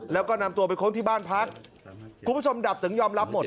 แล้วก็นำตัวไปค้นที่บ้านพักคุณผู้ชมดับถึงยอมรับหมด